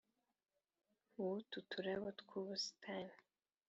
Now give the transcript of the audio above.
w' utu turabo tw' ubusitani